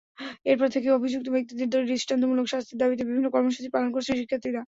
এরপর থেকে অভিযুক্ত ব্যক্তিদের দৃষ্টান্তমূলক শাস্তির দাবিতে বিভিন্ন কর্মসূচি পালন করছেন শিক্ষার্থীরা।